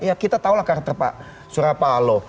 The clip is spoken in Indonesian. ya kita tahu lah karakter pak suryapalo